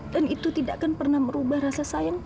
dan itu tidak akan pernah merubah rasa sayang tiang